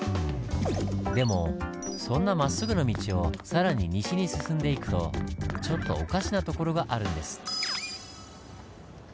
でもそんなまっすぐな道を更に西に進んでいくとちょっとおかしな所があるんです。